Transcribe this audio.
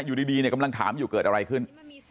อยู่ดีเนี่ยกำลังถามอยู่เกิดอะไรขึ้น